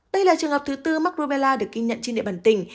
đây là trường hợp thứ tư mắc rubella được ghi nhận trên địa bàn tỉnh